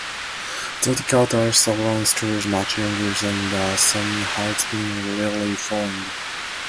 Zodiacal dust around stars much younger than the Sun has been rarely found.